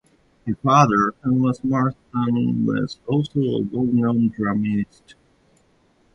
His father, Thomas Morton, was also a well-known dramatist.